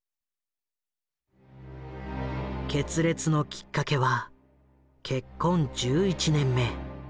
決裂のきっかけは結婚１１年目。